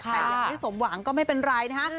แต่ยังไม่สมหวังก็ไม่เป็นไรนะฮะ